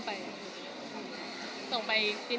หรือเปล่า